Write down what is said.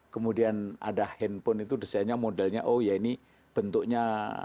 kemudian ada handphone itu desainnya modelnya oh ya ini bentuknya